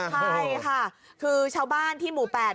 ใช่ค่ะคือชาวบ้านที่หมู่๘